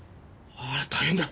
あ大変だ。